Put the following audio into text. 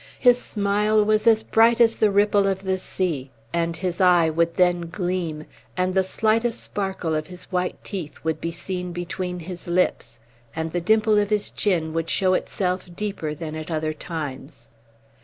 His smile was as bright as the ripple of the sea, and his eye would then gleam, and the slightest sparkle of his white teeth would be seen between his lips, and the dimple of his chin would show itself deeper than at other times.